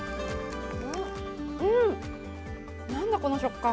うん、何だ、この食感？